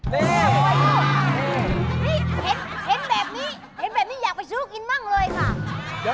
เนี่ยเห็นแบบนี้อยากไปชู้กินบ้างเลยค่ะ